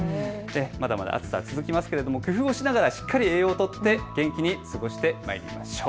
まだまだ暑さ続きますけれども工夫をしながらしっかりと栄養をとって元気に過ごしてまいりましょう。